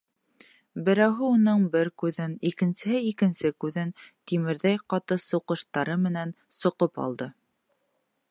Берәүһе уның бер күҙен, икенсеһе икенсе күҙен тимерҙәй ҡаты суҡыштары менән соҡоп алды.